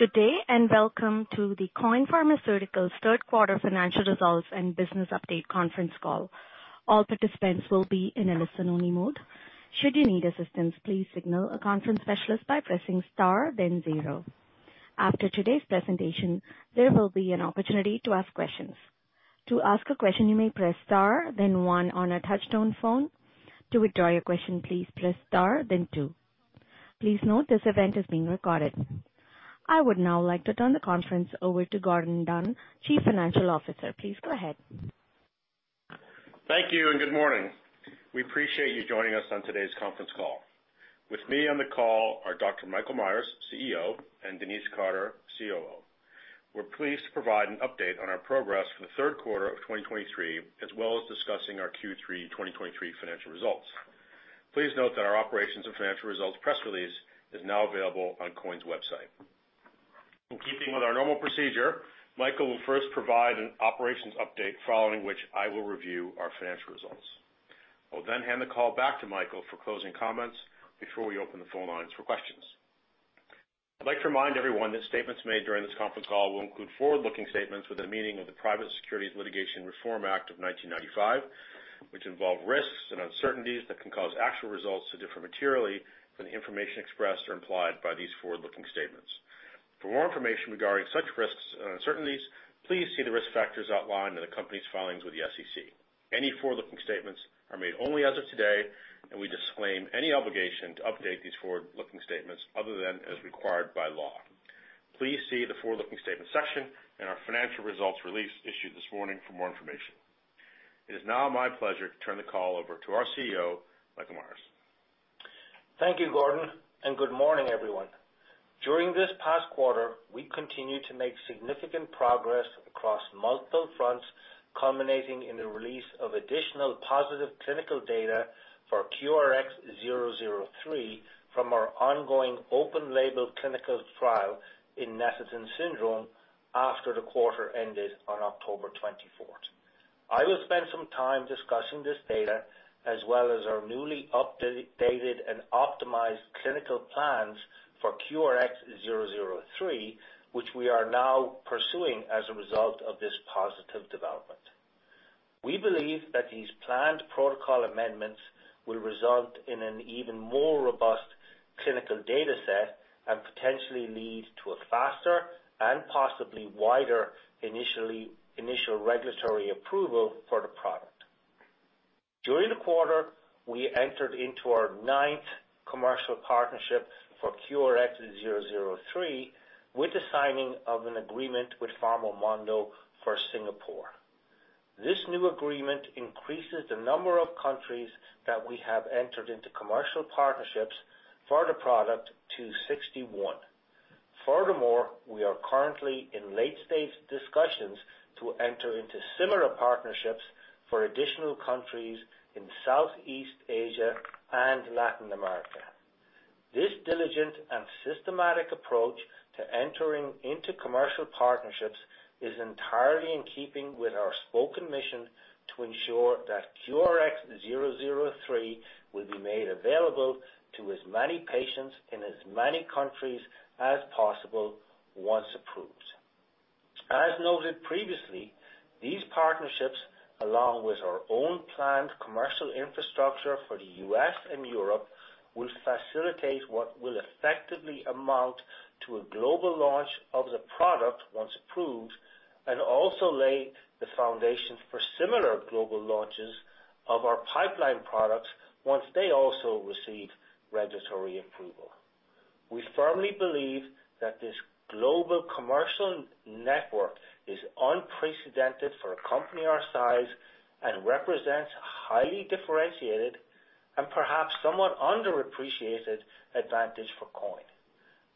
Good day, and welcome to the Quoin Pharmaceuticals third quarter financial results and business update conference call. All participants will be in a listen-only mode. Should you need assistance, please signal a conference specialist by pressing star, then zero. After today's presentation, there will be an opportunity to ask questions. To ask a question, you may press star, then one on a touch-tone phone. To withdraw your question, please press star, then two. Please note, this event is being recorded. I would now like to turn the conference over to Gordon Dunn, Chief Financial Officer. Please go ahead. Thank you, and good morning. We appreciate you joining us on today's conference call. With me on the call are Dr. Michael Myers, CEO, and Denise Carter, COO. We're pleased to provide an update on our progress for the third quarter of 2023, as well as discussing our Q3 2023 financial results. Please note that our operations and financial results press release is now available on Quoin's website. In keeping with our normal procedure, Michael will first provide an operations update, following which I will review our financial results. I'll then hand the call back to Michael for closing comments before we open the phone lines for questions. I'd like to remind everyone that statements made during this conference call will include forward-looking statements with a meaning of the Private Securities Litigation Reform Act of 1995, which involve risks and uncertainties that can cause actual results to differ materially from the information expressed or implied by these forward-looking statements. For more information regarding such risks and uncertainties, please see the risk factors outlined in the company's filings with the SEC. Any forward-looking statements are made only as of today, and we disclaim any obligation to update these forward-looking statements other than as required by law. Please see the forward-looking statement section in our financial results release issued this morning for more information. It is now my pleasure to turn the call over to our CEO, Michael Myers. Thank you, Gordon, and good morning, everyone. During this past quarter, we continued to make significant progress across multiple fronts, culminating in the release of additional positive clinical data for QRX003 from our ongoing open label clinical trial in Netherton Syndrome after the quarter ended on October 24. I will spend some time discussing this data, as well as our newly updated and optimized clinical plans for QRX003, which we are now pursuing as a result of this positive development. We believe that these planned protocol amendments will result in an even more robust clinical data set and potentially lead to a faster and possibly wider initial regulatory approval for the product. During the quarter, we entered into our ninth commercial partnership for QRX003, with the signing of an agreement with PharmaMondo for Singapore. This new agreement increases the number of countries that we have entered into commercial partnerships for the product to 61. Furthermore, we are currently in late-stage discussions to enter into similar partnerships for additional countries in Southeast Asia and Latin America. This diligent and systematic approach to entering into commercial partnerships is entirely in keeping with our spoken mission to ensure that QRX003 will be made available to as many patients in as many countries as possible, once approved. As noted previously, these partnerships, along with our own planned commercial infrastructure for the U.S. and Europe, will facilitate what will effectively amount to a global launch of the product once approved, and also lay the foundation for similar global launches of our pipeline products once they also receive regulatory approval. We firmly believe that this global commercial network is unprecedented for a company our size and represents a highly differentiated and perhaps somewhat underappreciated advantage for Quoin.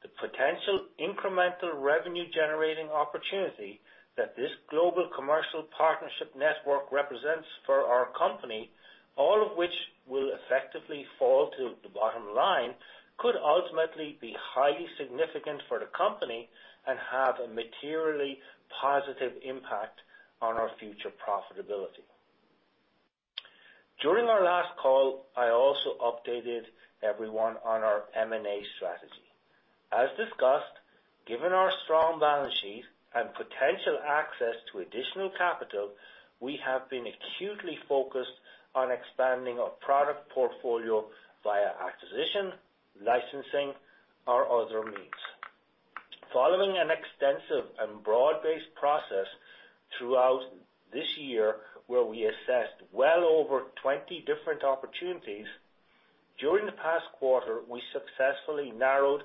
The potential incremental revenue-generating opportunity that this global commercial partnership network represents for our company, all of which will effectively fall to the bottom line, could ultimately be highly significant for the company and have a materially positive impact on our future profitability. During our last call, I also updated everyone on our M&A strategy. As discussed, given our strong balance sheet and potential access to additional capital, we have been acutely focused on expanding our product portfolio via acquisition, licensing, or other means. Following an extensive and broad-based process throughout this year, where we assessed well over 20 different opportunities, during the past quarter, we successfully narrowed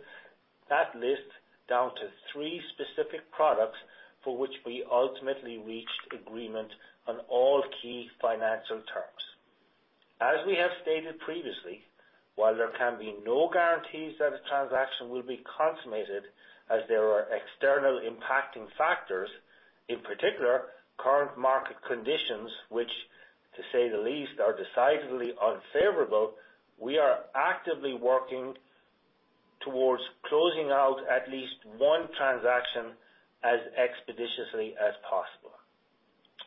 that list down to three specific products for which we ultimately reached agreement on all key financial terms. As we have stated previously, while there can be no guarantees that a transaction will be consummated as there are external impacting factors, in particular, current market conditions, which, to say the least, are decidedly unfavorable, we are actively working towards closing out at least one transaction as expeditiously as possible....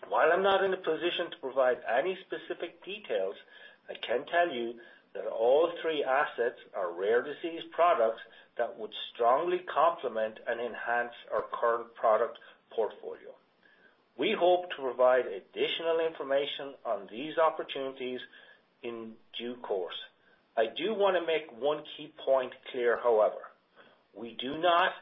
While I'm not in a position to provide any specific details, I can tell you that all three assets are rare disease products that would strongly complement and enhance our current product portfolio. We hope to provide additional information on these opportunities in due course. I do wanna make one key point clear, however, we do not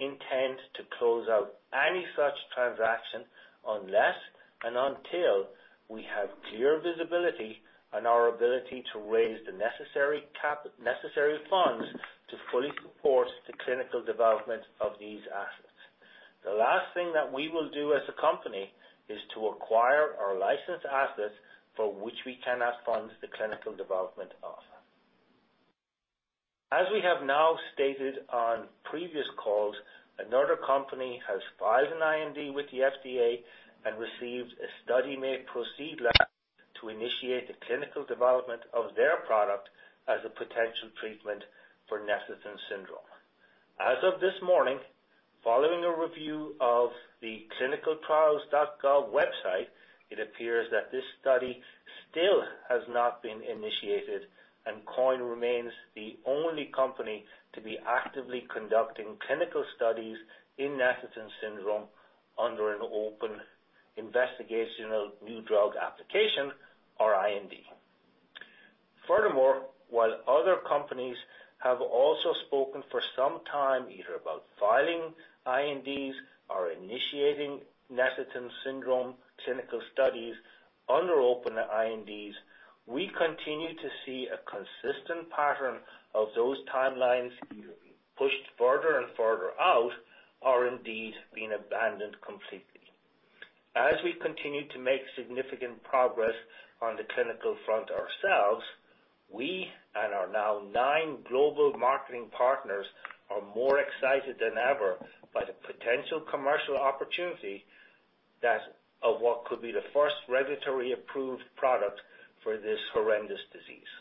intend to close out any such transaction unless and until we have clear visibility on our ability to raise the necessary funds to fully support the clinical development of these assets. The last thing that we will do as a company is to acquire or license assets for which we cannot fund the clinical development of. As we have now stated on previous calls, another company has filed an IND with the FDA and received a Study May Proceed Letter to initiate the clinical development of their product as a potential treatment for Netherton Syndrome. As of this morning, following a review of the ClinicalTrials.gov website, it appears that this study still has not been initiated, and Quoin remains the only company to be actively conducting clinical studies in Netherton Syndrome under an open investigational new drug application, or IND. Furthermore, while other companies have also spoken for some time, either about filing INDs or initiating Netherton Syndrome clinical studies under open INDs, we continue to see a consistent pattern of those timelines being pushed further and further out, or indeed, being abandoned completely. As we continue to make significant progress on the clinical front ourselves, we and our now nine global marketing partners, are more excited than ever by the potential commercial opportunity that of what could be the first regulatory approved product for this horrendous disease.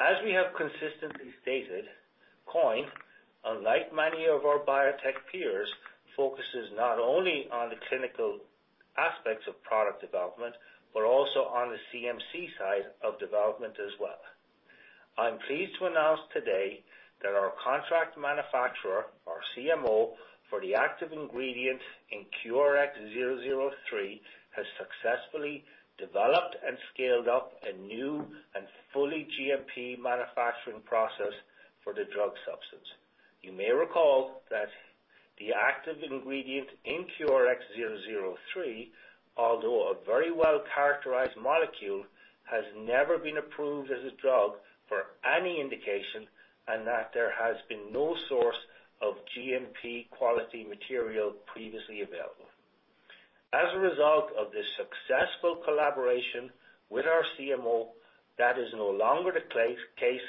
As we have consistently stated, Quoin, unlike many of our biotech peers, focuses not only on the clinical aspects of product development, but also on the CMC side of development as well. I'm pleased to announce today that our contract manufacturer, or CMO, for the active ingredient in QRX003, has successfully developed and scaled up a new and fully GMP manufacturing process for the drug substance. You may recall that the active ingredient in QRX003, although a very well-characterized molecule, has never been approved as a drug for any indication, and that there has been no source of GMP quality material previously available. As a result of this successful collaboration with our CMO, that is no longer the case,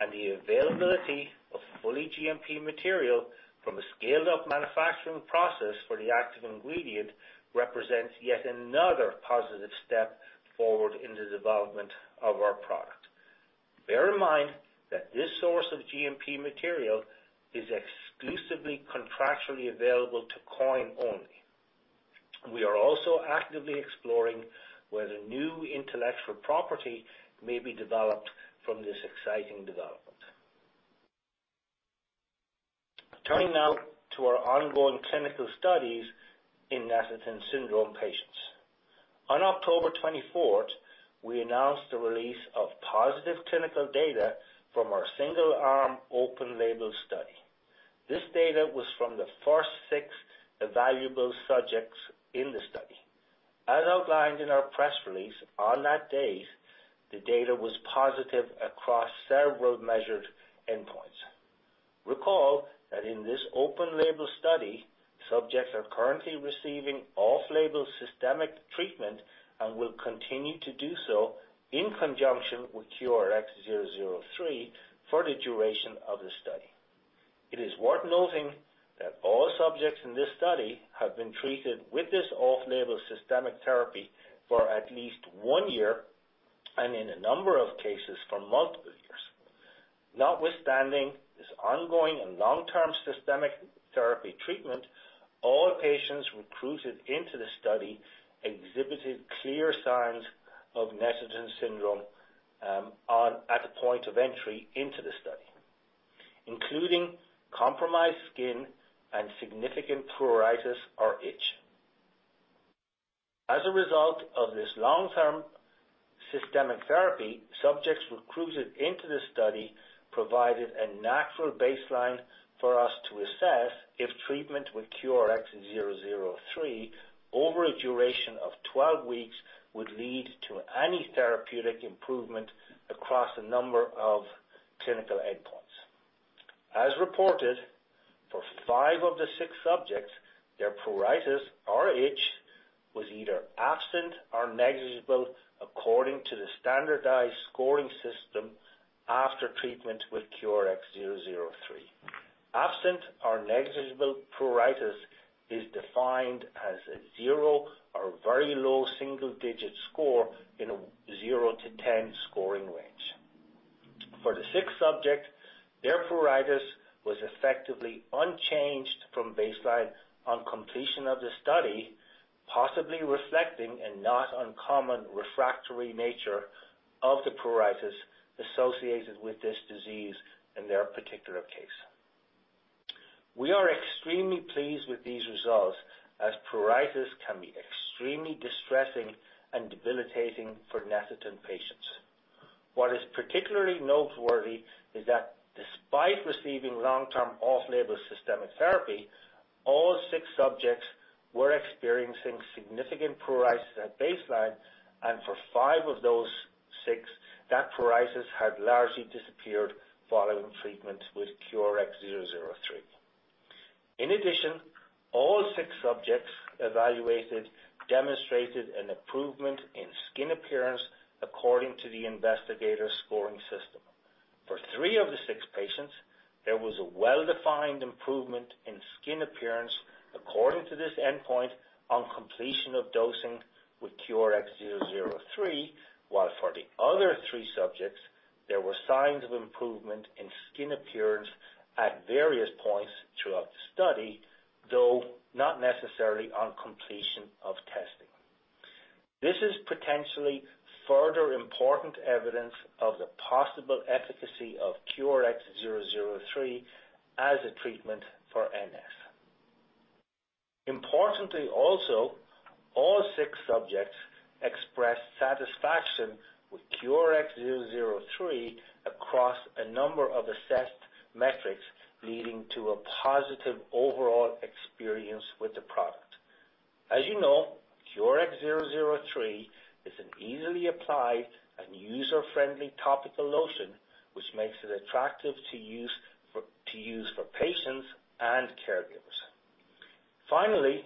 and the availability of fully GMP material from a scaled-up manufacturing process for the active ingredient, represents yet another positive step forward in the development of our product. Bear in mind, that this source of GMP material is exclusively contractually available to Quoin only. We are also actively exploring whether new intellectual property may be developed from this exciting development. Turning now to our ongoing clinical studies in Netherton Syndrome patients. On October 24th, we announced the release of positive clinical data from our single-arm open label study. This data was from the first six evaluable subjects in the study. As outlined in our press release, on that date, the data was positive across several measured endpoints. Recall, that in this open label study, subjects are currently receiving off-label systemic treatment and will continue to do so in conjunction with QRX003 for the duration of the study. It is worth noting that all subjects in this study have been treated with this off-label systemic therapy for at least one year, and in a number of cases, for multiple years. Notwithstanding this ongoing and long-term systemic therapy treatment, all patients recruited into the study exhibited clear signs of Netherton Syndrome at the point of entry into the study, including compromised skin and significant pruritus or itch. As a result of this long-term systemic therapy, subjects recruited into the study provided a natural baseline for us to assess if treatment with QRX003 over a duration of 12 weeks would lead to any therapeutic improvement across a number of clinical endpoints. As reported, for five of the six subjects, their pruritus or itch was either absent or negligible according to the standardized scoring system after treatment with QRX003. Absent or negligible pruritus is defined as a 0 or very low single-digit score in a 0 to 10 scoring range... for the sixth subject, their pruritus was effectively unchanged from baseline on completion of the study, possibly reflecting a not uncommon refractory nature of the pruritus associated with this disease in their particular case. We are extremely pleased with these results, as pruritus can be extremely distressing and debilitating for Netherton patients. What is particularly noteworthy is that despite receiving long-term off-label systemic therapy, all 6 subjects were experiencing significant pruritus at baseline, and for 5 of those 6, that pruritus had largely disappeared following treatment with QRX003. In addition, all 6 subjects evaluated demonstrated an improvement in skin appearance according to the investigator's scoring system. For three of the six patients, there was a well-defined improvement in skin appearance according to this endpoint on completion of dosing with QRX003, while for the other three subjects, there were signs of improvement in skin appearance at various points throughout the study, though not necessarily on completion of testing. This is potentially further important evidence of the possible efficacy of QRX003 as a treatment for NS. Importantly, also, all six subjects expressed satisfaction with QRX003 across a number of assessed metrics, leading to a positive overall experience with the product. As you know, QRX003 is an easily applied and user-friendly topical lotion, which makes it attractive to use for patients and caregivers. Finally,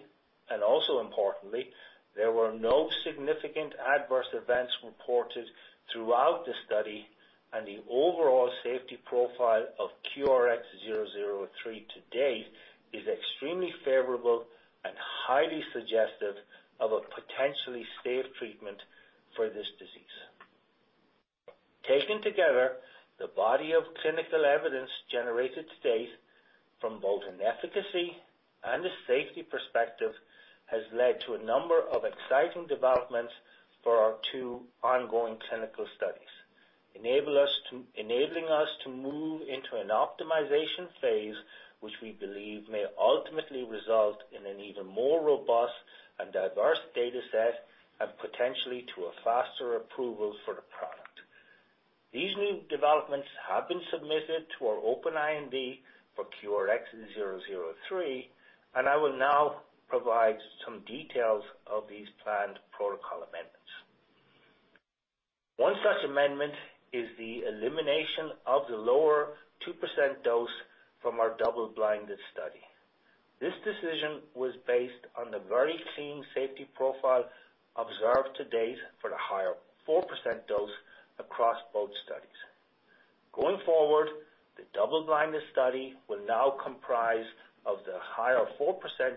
and also importantly, there were no significant adverse events reported throughout the study, and the overall safety profile of QRX003 to date is extremely favorable and highly suggestive of a potentially safe treatment for this disease. Taken together, the body of clinical evidence generated to date from both an efficacy and a safety perspective, has led to a number of exciting developments for our two ongoing clinical studies. Enabling us to move into an optimization phase, which we believe may ultimately result in an even more robust and diverse data set and potentially to a faster approval for the product. These new developments have been submitted to our open IND for QRX003, and I will now provide some details of these planned protocol amendments. One such amendment is the elimination of the lower 2% dose from our double-blinded study. This decision was based on the very clean safety profile observed to date for the higher 4% dose across both studies. Going forward, the double-blinded study will now comprise of the higher 4%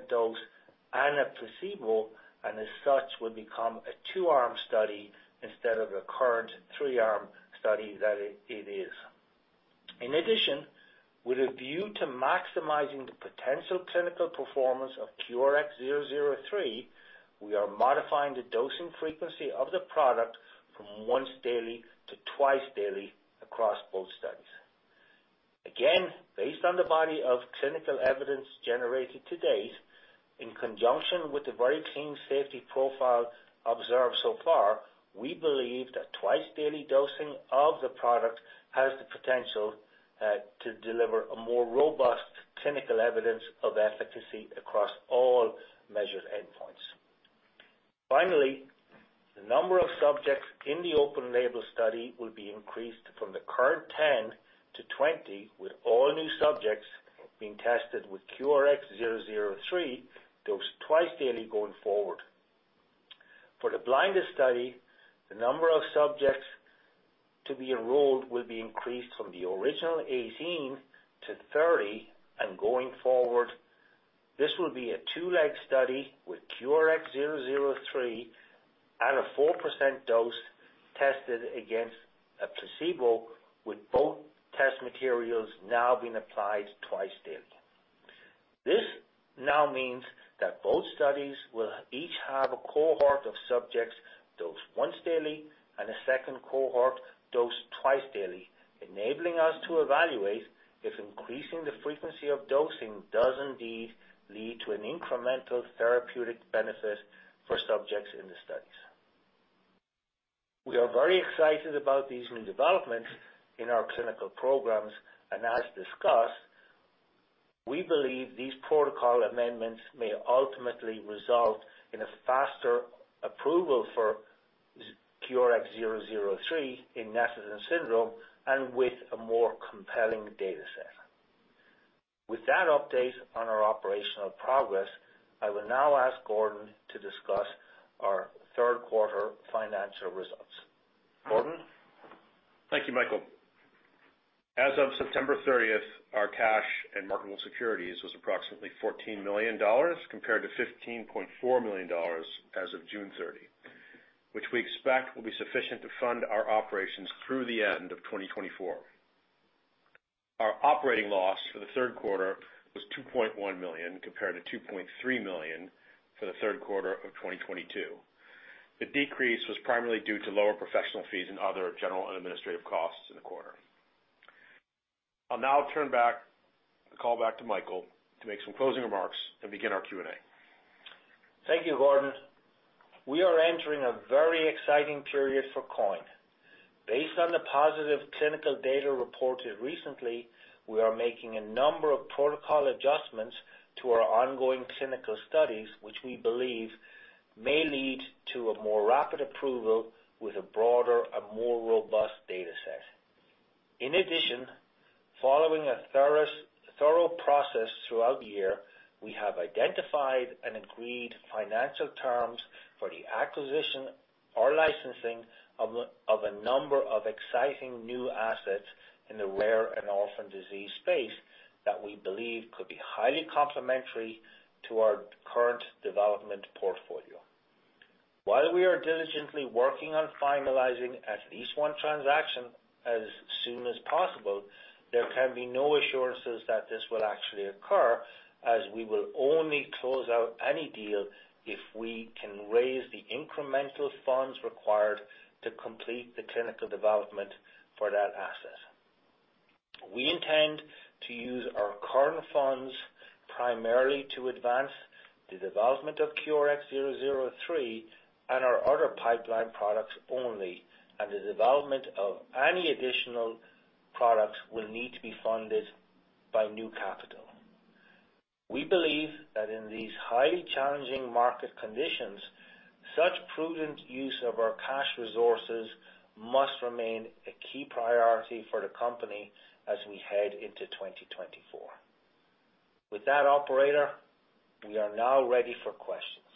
dose and a placebo, and as such, will become a 2-arm study instead of the current 3-arm study that it is. In addition, with a view to maximizing the potential clinical performance of QRX003, we are modifying the dosing frequency of the product from once daily to twice daily across both studies. Again, based on the body of clinical evidence generated to date, in conjunction with the very clean safety profile observed so far, we believe that twice-daily dosing of the product has the potential to deliver a more robust clinical evidence of efficacy across all measured endpoints. Finally, the number of subjects in the open-label study will be increased from the current 10 to 20, with all new subjects being tested with QRX003 dosed twice daily going forward. For the blinded study, the number of subjects to be enrolled will be increased from the original 18 to 30, and going forward, this will be a two-leg study with QRX003 at a 4% dose tested against a placebo, with both test materials now being applied twice daily. This now means that both studies will each have a cohort of subjects dosed once daily and a second cohort dosed twice daily, enabling us to evaluate if increasing the frequency of dosing does indeed lead to an incremental therapeutic benefit for subjects in the studies. We are very excited about these new developments in our clinical programs, and as discussed, we believe these protocol amendments may ultimately result in a faster approval for QRX003 in Netherton Syndrome and with a more compelling data set. With that update on our operational progress, I will now ask Gordon to discuss our third quarter financial results. Gordon? Thank you, Michael. As of September 30th, our cash and marketable securities was approximately $14 million compared to $15.4 million as of June 30, which we expect will be sufficient to fund our operations through the end of 2024. Our operating loss for the third quarter was $2.1 million, compared to $2.3 million for the third quarter of 2022. The decrease was primarily due to lower professional fees and other general and administrative costs in the quarter. I'll now turn the call back to Michael to make some closing remarks and begin our Q&A. Thank you, Gordon. We are entering a very exciting period for Quoin. Based on the positive clinical data reported recently, we are making a number of protocol adjustments to our ongoing clinical studies, which we believe may lead to a more rapid approval with a broader and more robust data set. In addition, following a thorough process throughout the year, we have identified and agreed financial terms for the acquisition or licensing of a number of exciting new assets in the rare and orphan disease space that we believe could be highly complementary to our current development portfolio. While we are diligently working on finalizing at least one transaction as soon as possible, there can be no assurances that this will actually occur, as we will only close out any deal if we can raise the incremental funds required to complete the clinical development for that asset. We intend to use our current funds primarily to advance the development of QRX003 and our other pipeline products only, and the development of any additional products will need to be funded by new capital. We believe that in these highly challenging market conditions, such prudent use of our cash resources must remain a key priority for the company as we head into 2024. With that, operator, we are now ready for questions.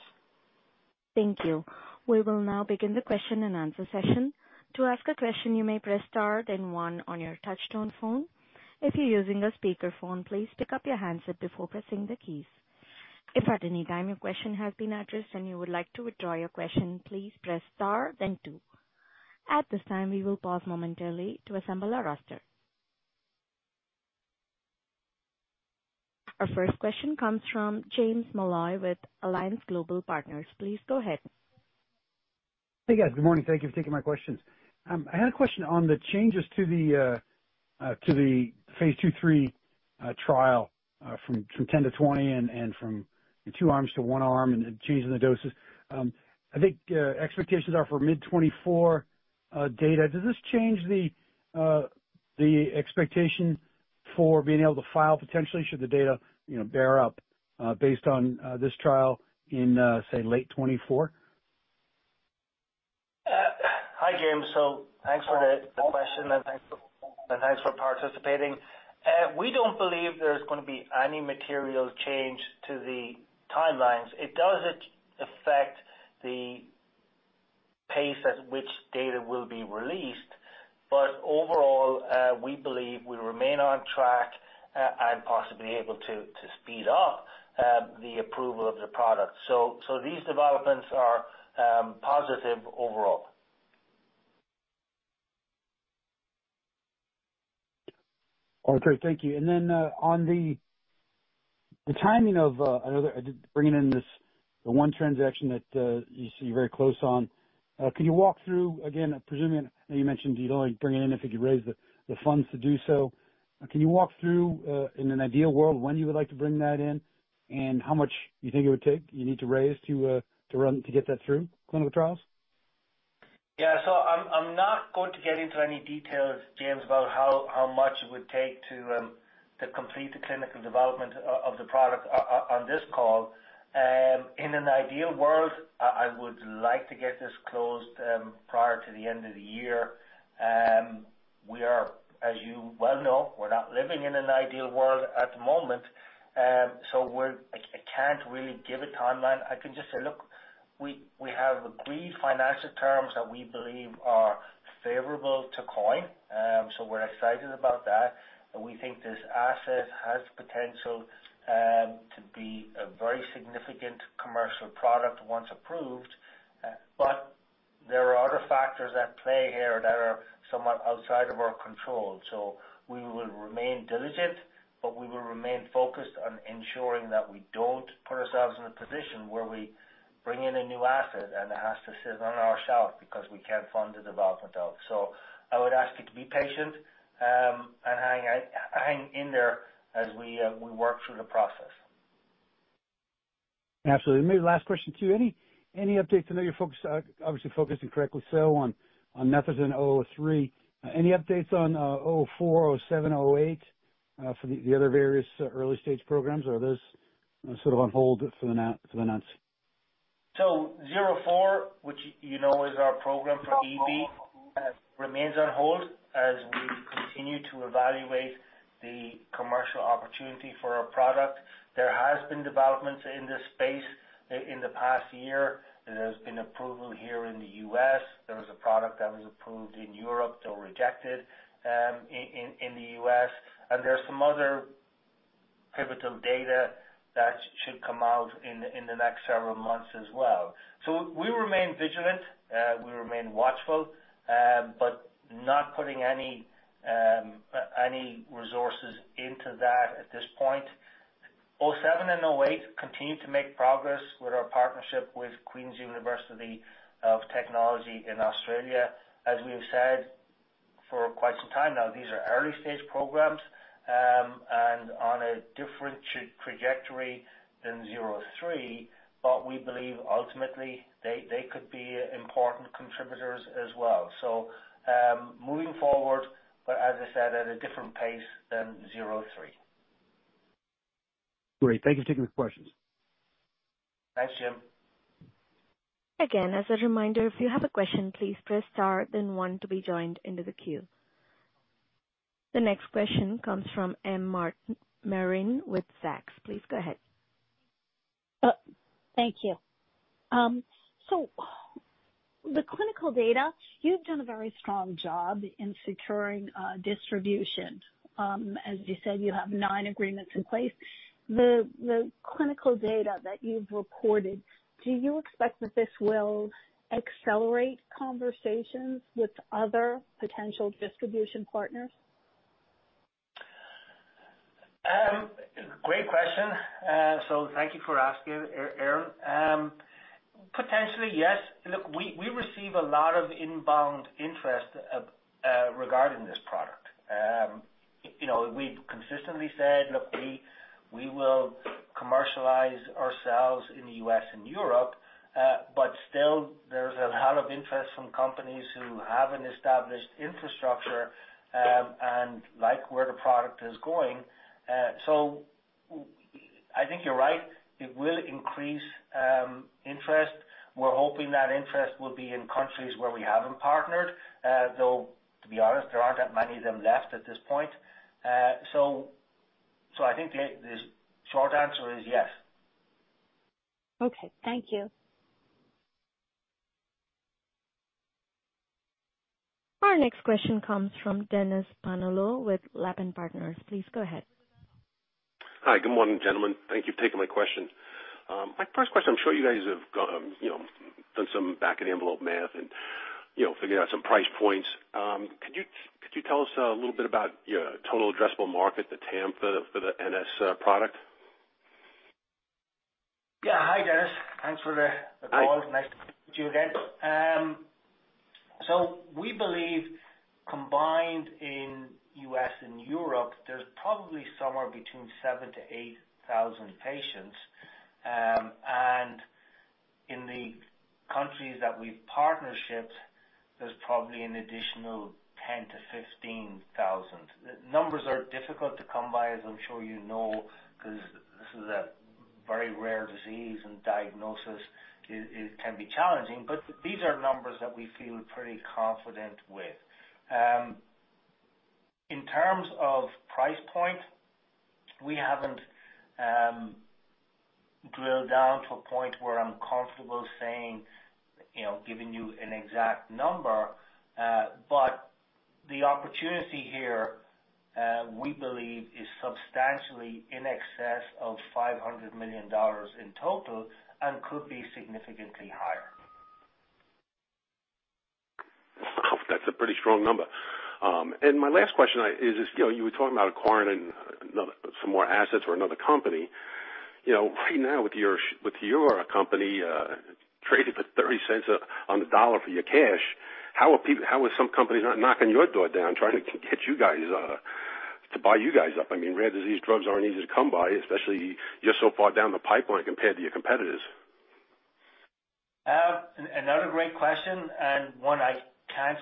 Thank you. We will now begin the question-and-answer session. To ask a question, you may press star then one on your touchtone phone. If you're using a speakerphone, please pick up your handset before pressing the keys. If at any time your question has been addressed and you would like to withdraw your question, please press star then two. At this time, we will pause momentarily to assemble our roster. Our first question comes from James Molloy with Alliance Global Partners. Please go ahead. Hey, guys. Good morning. Thank you for taking my questions. I had a question on the changes to the phase 2/3 trial from 10 to 20 and from 2 arms to 1 arm and changing the doses. I think expectations are for mid-2024 data. Does this change the expectation for being able to file potentially should the data, you know, bear up based on this trial in say late 2024? Hi, James. So thanks for the question, and thanks for participating. We don't believe there's gonna be any material change to the timelines. It doesn't affect the pace at which data will be released, but overall, we believe we remain on track, and possibly able to speed up the approval of the product. So these developments are positive overall. Oh, great. Thank you. And then, on the timing of. I know, bringing in this, the one transaction that you see you're very close on, can you walk through again, presuming, and you mentioned you'd only bring it in if you could raise the funds to do so. Can you walk through, in an ideal world, when you would like to bring that in, and how much you think it would take, you need to raise to run, to get that through clinical trials? Yeah. So I'm not going to get into any details, James, about how much it would take to complete the clinical development of the product on this call. In an ideal world, I would like to get this closed prior to the end of the year. We are, as you well know, we're not living in an ideal world at the moment, so we're. I can't really give a timeline. I can just say, look, we have agreed financial terms that we believe are favorable to Quoin, so we're excited about that. And we think this asset has potential to be a very significant commercial product once approved. But there are other factors at play here that are somewhat outside of our control. So we will remain diligent, but we will remain focused on ensuring that we don't put ourselves in a position where we bring in a new asset, and it has to sit on our shelf because we can't fund the development of it. So I would ask you to be patient, and hang in there as we work through the process. Absolutely. Maybe last question to you. Any updates? I know you're focused, obviously focused and correctly so on QRX003. Any updates on QRX004, QRX007, QRX008, for the other various early stage programs, or are those sort of on hold for the now, for the nonce? So QRX004, which you know, is our program for EB, remains on hold as we continue to evaluate the commercial opportunity for our product. There has been developments in this space in the past year. There's been approval here in the U.S. There was a product that was approved in Europe, though rejected in the U.S., and there are some other pivotal data that should come out in the next several months as well. So we remain vigilant, we remain watchful, but not putting any resources into that at this point. QRX007 and QRX008 continue to make progress with our partnership with Queensland University of Technology in Australia. As we've said for quite some time now, these are early-stage programs, and on a different trajectory than zero three, but we believe ultimately they, they could be important contributors as well. So, moving forward, but as I said, at a different pace than zero three. Great. Thank you for taking the questions. Thanks, Jim. Again, as a reminder, if you have a question, please press Star, then one to be joined into the queue. The next question comes from Michael Marin with Ladenburg Thalmann. Please go ahead. Thank you. So the clinical data, you've done a very strong job in securing distribution. As you said, you have nine agreements in place. The clinical data that you've reported, do you expect that this will accelerate conversations with other potential distribution partners? Great question. So thank you for asking, Erin. Potentially, yes. Look, we receive a lot of inbound interest regarding this product. You know, we've consistently said, look, we will commercialize ourselves in the U.S. and Europe, but still there's a lot of interest from companies who have an established infrastructure, and like where the product is going. So I think you're right. It will increase interest. We're hoping that interest will be in countries where we haven't partnered. Though, to be honest, there aren't that many of them left at this point. So I think the short answer is yes. Okay. Thank you. Our next question comes from Dennis Palumbo with Ladenburg Thalmann. Please go ahead. Hi, good morning, gentlemen. Thank you for taking my question. My first question, I'm sure you guys have got, you know, done some back-of-the-envelope math and, you know, figured out some price points. Could you, could you tell us a little bit about your total addressable market, the TAM, for the, for the NS product? Yeah. Hi, Dennis. Thanks for the call. Hi. Nice to talk to you again. So we believe, combined in U.S. and Europe, there's probably somewhere between 7,000-8,000 patients. And in the countries that we've partnerships, there's probably an additional 10,000-15,000. The numbers are difficult to come by, as I'm sure you know, 'cause this is a very rare disease, and diagnosing it, it can be challenging, but these are numbers that we feel pretty confident with. In terms of price point, we haven't drilled down to a point where I'm comfortable saying, you know, giving you an exact number, but the opportunity here, we believe, is substantially in excess of $500 million in total and could be significantly higher. Wow! That's a pretty strong number. And my last question is, you know, you were talking about acquiring another, some more assets for another company. You know, right now, with your company trading for $0.30 on the dollar for your cash, how are some companies not knocking your door down, trying to get you guys to buy you guys up? I mean, rare disease drugs aren't easy to come by, especially you're so far down the pipeline compared to your competitors. Another great question, and one I can't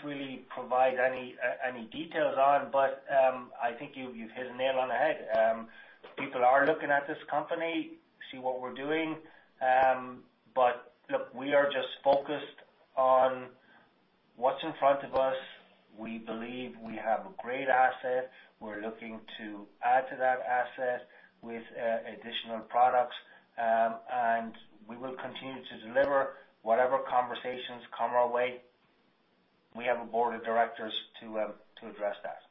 really provide any details on, but I think you, you've hit the nail on the head. People are looking at this company, see what we're doing. But look, we are just focused on what's in front of us. We believe we have a great asset. We're looking to add to that asset with additional products, and we will continue to deliver. Whatever conversations come our way, we have a board of directors to address that.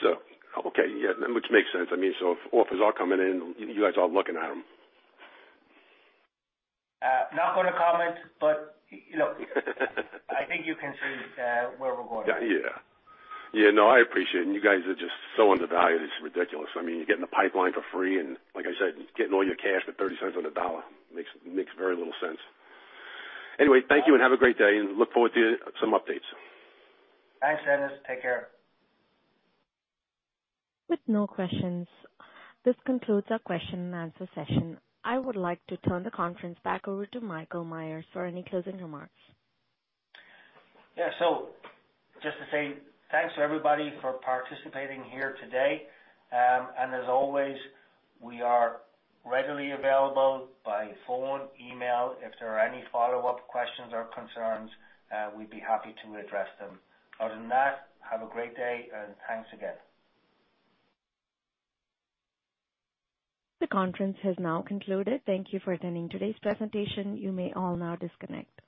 So, okay. Yeah, that much makes sense. I mean, so if offers are coming in, you guys are looking at them. Not going to comment, but, you know. I think you can see where we're going. Yeah. Yeah. No, I appreciate it, and you guys are just so undervalued, it's ridiculous. I mean, you're getting the pipeline for free, and like I said, getting all your cash for 30 cents on the dollar makes very little sense. Anyway, thank you, and have a great day, and look forward to some updates. Thanks, Dennis. Take care. With no more questions, this concludes our question and answer session. I would like to turn the conference back over to Michael Myers for any closing remarks. Yeah. So just to say thanks to everybody for participating here today. As always, we are readily available by phone, email. If there are any follow-up questions or concerns, we'd be happy to address them. Other than that, have a great day, and thanks again. The conference has now concluded. Thank you for attending today's presentation. You may all now disconnect.